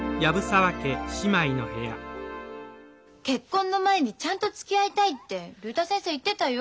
結婚の前にちゃんとつきあいたいって竜太先生言ってたよ。